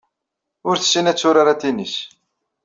Ur tessin ad turar atennis.